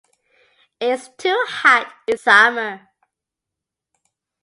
It is too Hot in summer.